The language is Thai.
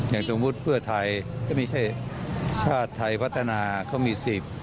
อย่างสมมุติเพื่อไทยก็ไม่ใช่ชาติไทยพัฒนาเขามีสิทธิ์